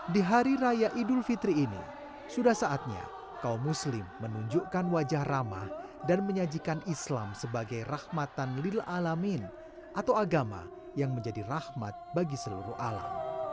di hari raya idul fitri ini sudah saatnya kaum muslim menunjukkan wajah ramah dan menyajikan islam sebagai rahmatan ⁇ lilalamin ⁇ atau agama yang menjadi rahmat bagi seluruh alam